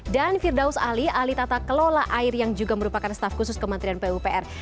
dan firdaus ali alih tata kelola air yang juga merupakan staff khusus kementerian pupr